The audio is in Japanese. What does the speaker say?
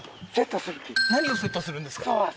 何をセットするんですか？